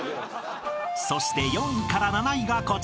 ［そして４位から７位がこちら］